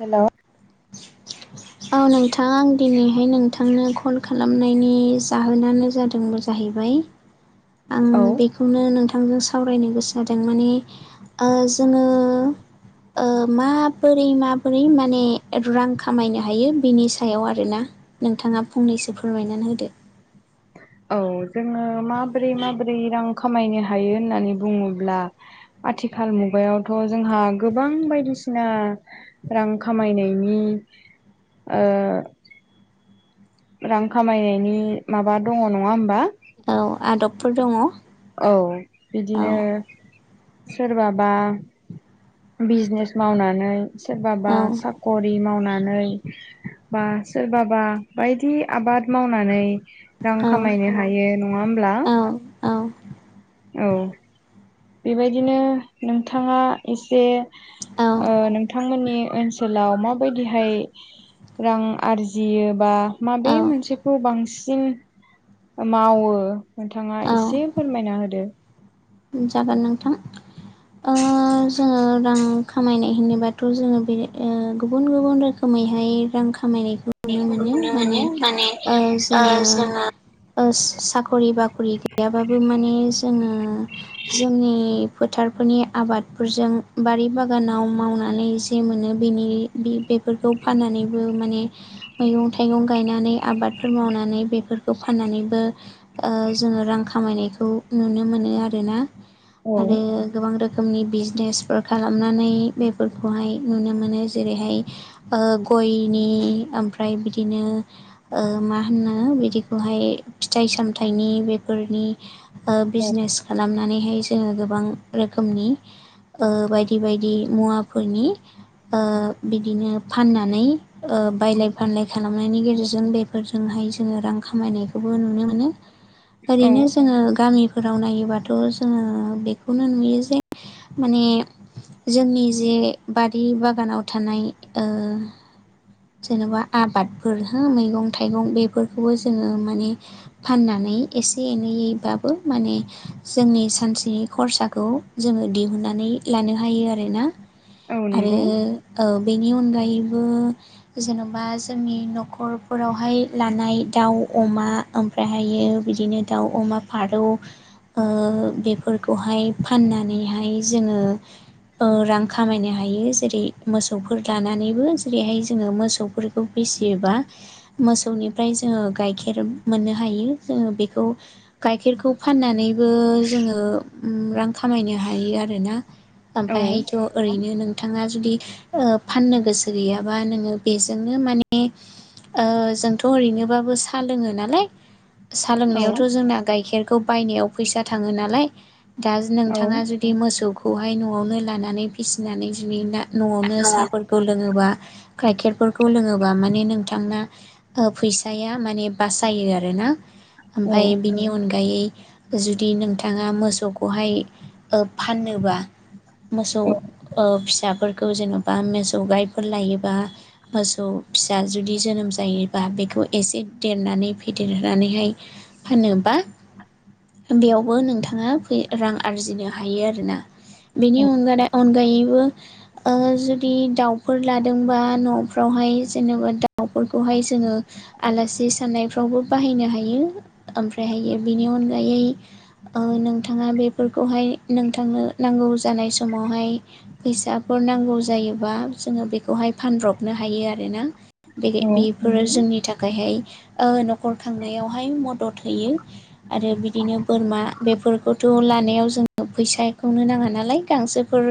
Hello. [inaudible] औ नोंथां आं दिनैहाय नोंथांनो कल खालामनायनि जाहोनानो जादों मोजां हायबाय आं औ बेखौनो नोंथ बिथांजों सावरायनो गोसो जादों माने जोङो ओ माबोरै माबोरै माने रां खामायनो हायो बिनि सायाव आरोना नोंथाङा फंनैसो फोरमायनानै होदो। औ जोङो माबोरै माबोरै रां खामायनो हायो होननानै बुङोब्ला आथिखाल मुगायावथ' जोंहा गोबां बायदिसिना रां खामायनायनि ओ रां खामायनायनि माबा दङ नङा होमबा। औ आदबफोर दङ औ औ औ बिदिनो सोरबाबा बिजनेस मावनानै सोरबाबा औ साख'रि मावनानै बा सोरबाबा बायदि आबाद मावनानै रां औ खामायनो हायो। नङा होमब्ला औ औ बेबायदिनो नोंथाङा एसे औ ओ नोंथांमोननि ओनसोलाव माबायदिहाय रां आरजियो बा माबे औ मोनसेखौ बांसिन मावो नोंथाङा औ एसे फोरमायना होदो। जागोन नोंथां। ओ जोङो रां खामायनाय होनोबाथ' जोङो बे ओ गुबुन -गुबुन रोखोम यैहाय रां खामायनायखौ नुनो मोनो माने ओ जोङो ओ स साखरि बाखरि गैयाबाबो माने जोङो जोंनि फोथारफोरनि आबादफोरजों बारि बागानाव मावनानै जे मोनो बेनि बि बेफोरखौ फाननानैबो माने मैगं थाइगं गायनानै आबादफोर मावनानै बेफो फोरखौ फाननानैबो ओ जोङो रां खामायनायखौ नुनो मोनो आरोना आरो औ गोबां रो खोमनि बिजनेस फोर खालामनानै बेफोरखौहाय नुनो मोनो जेरैहाय ओ गयनि आमफ्राय बिदिनो ओ मा होनो बिदिखौहाय फिथाइ सामथाइनि बेफोरनि ओ औ बिजनेस उमनानैहाय जोङो गोबां रोखोमनि ओ बायदि बायदि मुवाफोरनि ओ बिदिनो फाननानै बायलाय फानलाय खालामनायनि गेजेरजों जों बेफौरजोंहाय जोङो रां खामायनायखौबो नुनोमोननो औ आरैनो जोङो गामि फोराव नायोबाथ' जोङो बेखौनो नुयो जे माने जोंनि जे बारि बागानाव थानाय ओ जेन'बा आबादफोर हो मैगं थाइगं बेफोरखौबो जोङो माने फाननानै एसे एनैबाबो माने जोंनि सानसेनि खरसाखौ जोङो दिहुनना नै लानो हायो आरोना आरो नंगौ औ बेनि अनगायैबो जेन'बा जोंनि न'खरफोरावहाय लानाय दाउ अमा ओमफ्रायहायो बिदिनो दाउ अमा फारौ ओ बेफोरखौहाय फाननानैहाय जोङो रां खामायनो हायो ।जेरै मोसौफोर लानानैबो जेरैहाय जोङो मोसौफोरखौ फिसियोबा मोसौनिफ्राय जोङो गाइखेर मोननो हायो। जोङो बेखौ गाइखेरखौ फाननानैबो जोङो उ रां खामायनो हायो आरो। रोना औ ओमफायहायथ' ओरैनो नोंथाङा जुदि ओ फाननो गोसो गैया बा नोङो बेजोंनो माने ओ जोंथ' ओरैनोबाबो साहा लोङो नालाय सा औ लोंनायावथ' जोंना गाइखेरखौ बायनायाव फैसा थाङो नालाय दा औ नोंथाङा जुदि मोसौखौहाय न'आवनो लानानै फिसिनानै जुदि ना न'आवनो साफोरखौ लोङोबा गाइखेरफोरखौ लोङोबा माने नोंथांना ओ फैसाया माने बासायो आरोना ओमफाय बिनि अनगायै जुदि नोंथाङा मोसौखौहाय ओ फाननोबा मोसौ ओ फिसाफोरखौ जेन'बा मोसौ गायफोर लायोबा फासौ फिसा जुदि जोनोम जायोबा बेखौ एसे देरनानै फेदेरनानैहाय फानो बा बेयावबो नोंथाङा फे रां आरजिनो हायो आरोना बेनि अनगानाय अनगायैबो ओ जुदि दाउफोर ला दोंबा न'फोरावहाय जेनेबा दाउफोरखौहाय जोङो आलासि सोनायफ्रावबो बाहाय नो हायो ओमफ्रायहायो बेनि अनगायै ओ नोंथाङा बेफोरखौहाय नोंथांनो नांगौ जानाय समावहाय फैसा नांगौ जायोबा जोङो बे खौहाय फानब्रबनो हायो आरोना बे-बेफोरो जोंनि थाखायहाय ओ न'खर खांनायावहाय मदद होयो आरो बिदिनो बोरमा बेफोरखौथ' लानायाव जों फैसायखौनो नाङा नालाय गांसोफोर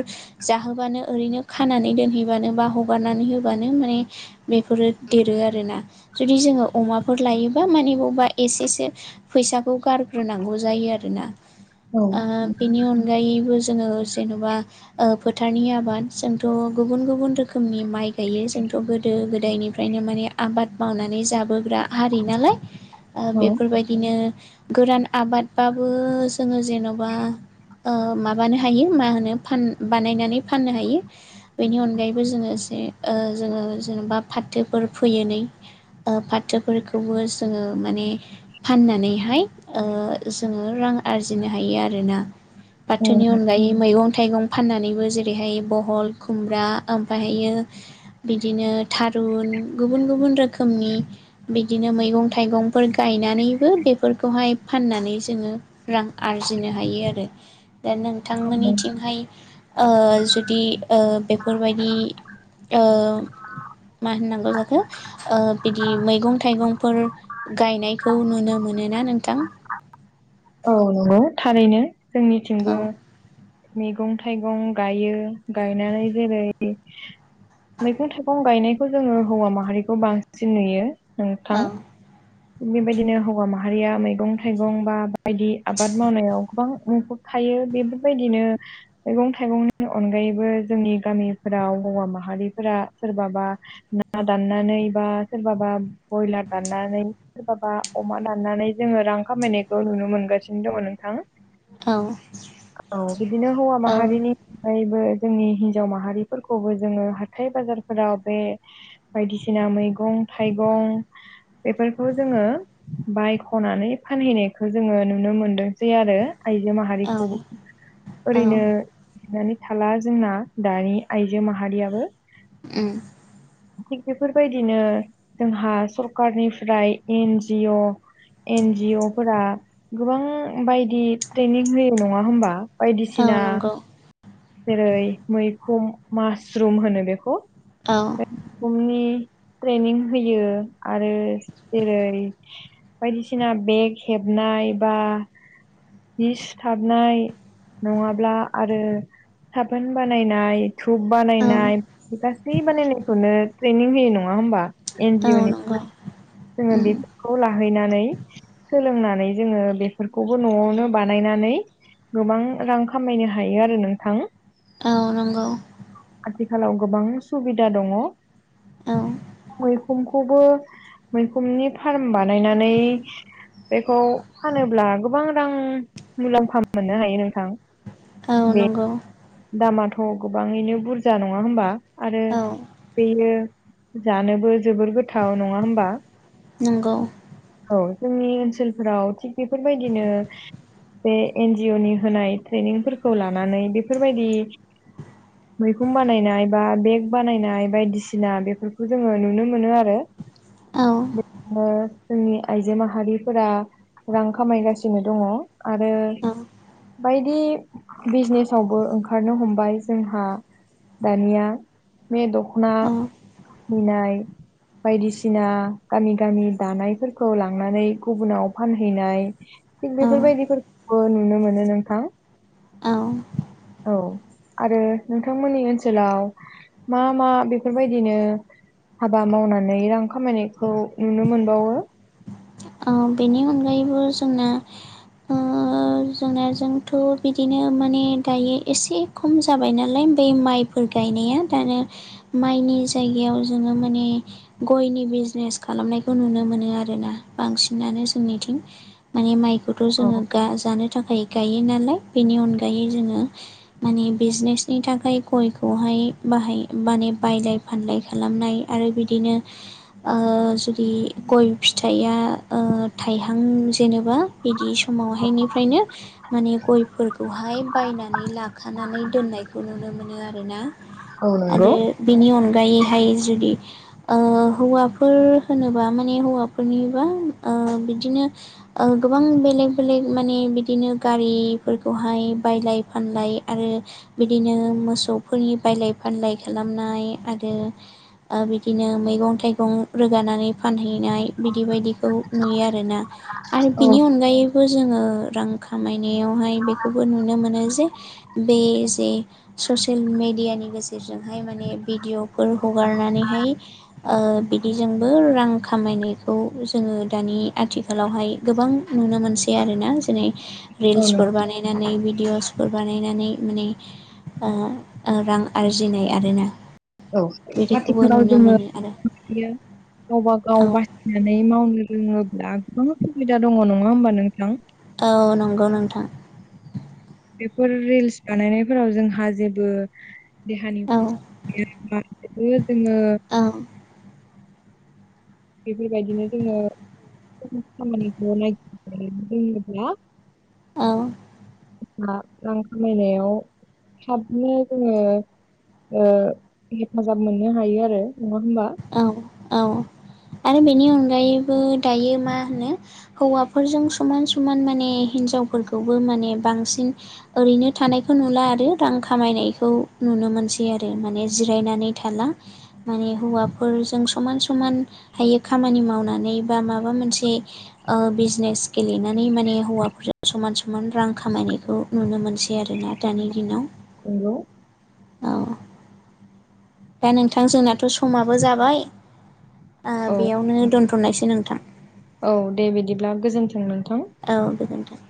जाहोबानो ओरैनो खानानै दोनहै इबानो बा ह गारनानै होबानो माने बेफोरो देरो आरोना जुदि जोङो अमाफोर लायोबा मोने इमुबा एसेसो फैसाखौ गारग्रोनांगौ जायो आरोना ओ बेनि अनगायैबो जोङो जेन'बा ओ फोथारनि आबाद जोंथ' गुबुन गुबुन रो खोमनि माइ गायो जोंथ' गोदो-गोदायनिफ्रायनो माने आबाद मावनानै जाबोग्रा हारि नालाय ओ बेफोरबायदिनो गोरान आबादबाबो जोङो जेनेब्ला ओ माबानो हायो मा होनो फान बानायनानै फाननोहायो बेनि अनगायै बोसे ओ जोङो ए जोङो जेनेबा फाथोफोर फोयोनै ओ फाथोफोरखौबो जोङो माने फाननानैहाय ओ जोङो रां आरजिनो हायो आरोना फाथोनि औ अनगायै मैगं-थाइगं फाननानैबो जेरैहाय बहल, खुमब्रा, ओमफायहायो बिदिनो थारुन गुबुन गुबुन रोखोमनि बिदिनो मैगं-थाइगंफोर गाय नानैबो बेफोरखौहाय फाननानै जोङो रां आरजिनो हायो आरो दा औ नोंथांमोननिथिंहाय ओ जुदि ओ बे फोरबायदि ओ मा होननांगौ जाखो ओ बिदि मैगं-थाइगंफोर गायनायखौ नुनो मोनोना नोंथां? औ नंगौ थारैनो औ जोंनिथिंबो मैगं-थाइगं गायो गायनानै जेरै मैगं-थाइगं गायनायखौ जोङो हौवा माहारिखौ बांसिन नुयो नोंथां। औ बेबायदिनो हौवा माहारिया मैगं-थाइगं बा बायदि आबाद मावनायाव गोबां न'खर थायो बेफोरबायदिनो मैगं-थाइगंनि अनगायैबो जोंनि गामिफोर राव हौवा माहारि फोरा सोरबाबा ना दाननानै बा सोरबाबा बयलार दाननानै माबा अमा दाननानै जोङो रां खामायनायखौ नुनो मोनगासिनो दङ नोंथां। औ औ बिदिनो हौवा औ माहारिनि ओ जोंनि हिनजाव माहारिफोरखौबो जोङो हा थाइ बाजारफोराव बे बायदिसिना मैगं-थाइगं बेफोरखौ जोङो बायख'नानै फानहैनायखौ जोङो नुनो मोनदोंसै आरो। आइजो औ माहारिखौ औ ओरैनो नानै थाला जोंना दानि आइजो माहारियाबो उम थिग बेफोरबायदिनो जोंहा सरखारारनिफ्राय इनजिअ एन जिअ फोरा गोबां बायदि ट्रेनिं होयो नङा होमबा? औ बायदिसिना नंगौ जेरै मैखम मासरुम होनो बेखौ औ पेतफमनि ट्रेनिं होयो आरो जेरै बायदिसिना बेग हेबनाय बा जि सुथारनाय नङाब्ला आरो साबोन बानायनाय धुप औ बानायनाय गासै बानायनायखौनो ट्रेनिं होयो नङा नङा होमबा एन औ जिअ नि नंगौ जोङो उम बेफोरखौ लाहैनानै सोलोंना फ्राय जोङो बेफोरखौबो न'आवनो बानायनानै गोबां रां खामायनो हायो आरो नोंथां औ नंगौ। आथिखालाव गोबां सुबिदा दङ औ मैखुमखौबो मैखुननि फार्म बानायनानै बेखौ फानोब्ला गोबां रां मुलाम्फा मोननो हायो नोंथां। औ बे नंगौ दामाथ' गोबाङैनो बुरजा नङा हबा। आरो औ बेयो जानोबो जोबोर गोथाव नङा होमबा। नोंंगौ औ जोंनि ओनसोलफ्राव थिग बेफोरबायदिनो बे एनजिअ नि होनाय ट्रेनिंफोरखौ लानानै बेफोरबायदि मैगं बानायनाय बा बेग बानायनाय बायदिसिना बेफोरखौ जोङो नुनो मोनो आरो औ औ [unintelligible] जोंनि आइजो माहारिफोरा रां खामायगासिनो दङ आरो औ बायदि बिजनेसावबो ओंखारनो हमबाय जोंहा दानिया। बेे दख'ना फैनाय बायदिसिना गामि गामि दानाय फोरखौ लांनानै गुबुनाव फानहैनाय थिग औ बेफोरबायदिफोरखौ नुनो मोनो नोंथां। [unintelligible] औ आरो नोंथांमोननि ओनसोलाव मा मा बेफोरबायदिनो हाबा मावनानै रां खामायनायखौ नुनो मोनबावो। बेनि अनगायैबो जोंना ओ जोंनाजोंथ' बिदिनो माने दायो एसे खम जाबाय नालाय बै माइफोर गायनाया दा नो माइनि जायगायाव जोङो माने गयनि बिजनेस खालामनायखौ नुनो मोनो आरोना बांसिनानो जोंनिथिं माने माइखौथ' औ जोङो गा जानो थाखाय गायो नालाय बेनि अनगायै जोङो माने बिजनेसनि थाखाय गयखौहाय नै बाहाय माने बायलाय फानलाय खालामनाय आरो बिदिनो ओ जु गय फिथाइया ओ थाइहां जेनेबा बिदि समावहायनिफ्रायनो माने गयफोरखौहाय बायनानै लाखानानै दोननायखौ नुनो मोनो आरोना औ नंगौ आरो बिनि अन दायोहाय जुदि ओ हौवाफोर होनोबा माने हौवाफोरनि बिदिनो गोबां बेलेक बेलेक माने बिदिनो गारिफोरखौ बेहाय बायलाय फानलाय आरो बिदिनो मोसौफोरनि बायलाय फानलाय खालामना आरो बिदिनो मैगं थाइगं रोगानानै फानहैनाय बि बि बायदिखौ नुयो आरोना आरो औ बिनि अनगायैबो जोङो रां खामायनायावहाय बेखौबो नुनो मोनो जे बे जे ससियेल मेडियानि गेजेरजोंहाय माने भिडिअ'फोर हगारनानैहाय ओ बिदि जोंबो रां खामायनाय खौ जोङो दानि आथिखालावहाय गोबां नुनो मोनसै आरोना जेरै- औ नों रिल्सफोर बानायनानै भि डिअ'सफोर बानायनानै माने ओ ओ रां आरजिनाय आरोना औ बिदिखौबो जाथिफोराव नुनो जोङो मोनो आरो गावबा औ गाव ब नानै मावनो रोङोब्ला गोबां सुबिदा दङ नङा होमबा नोंथां। औ नंगौ नोंथां। बेफोर रिल्स बानायनायफोराव जोंहा जेबो देहानि औ खस बेदिनो जोङो। औ बेफोरबायदिनो जोङो [unintelligible] औ [unintelligible] रां खामायनायाव थाबनो जोङो ओ हेफाजाब मोननो हायो आरो नङा होमबा। औ औ। आरो बेनि अनगायैबो दायो मा होनो हौवाफोरजों समान समान माने हिनजावफोरखौबो माने बांसिन ओरैनो थानायखौ नुला आरो रां खामायनायखौ नु ननो मोनसै आरो माने जिरायनानै थाला माने हौवा फोरजों समान समान हायो खामानि मावनानै बा माबा मोनसे ओ बिजनेस सिगेलेनानै माने हौवाफोरजों समान समान रां खामायनायखौ नुनो मोनसै आरोना दानि दिनाव। नंगौ। औ दा नोंथां जोंनाथ' समाबो जाबाय औ बेयावनो दोनथ' थ'नायसै नोंथां औ दे बिदिब्ला गोजोन्थों नों औ गोजोन्थों